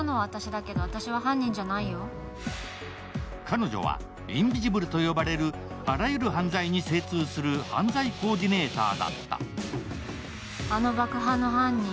彼女は「インビジブル」と呼ばれる、あらゆる犯罪に精通する犯罪コーディネーターだった。